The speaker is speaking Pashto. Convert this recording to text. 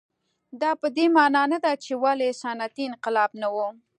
دا په دې معنا نه ده چې ولې صنعتي انقلاب نه و.